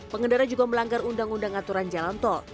pengendara juga melanggar undang undang aturan jalan tol